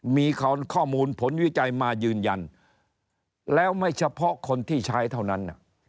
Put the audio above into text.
มีข้อมูลผลวิจัยมายืนยันแล้วไม่เฉพาะคนที่ใช้เท่านั้น